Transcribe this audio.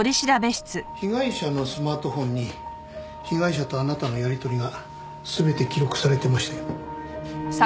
被害者のスマートフォンに被害者とあなたのやりとりが全て記録されてましたよ。